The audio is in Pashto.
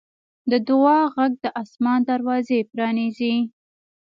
د دعا غږ د اسمان دروازې پرانیزي.